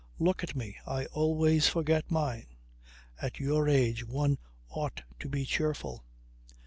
Look at me. I always forget mine. At your age one ought to be cheerful."